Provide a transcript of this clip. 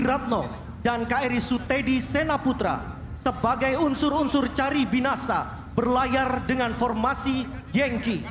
dan tidak bisa dihancurkan dengan kecepatan yang berbeda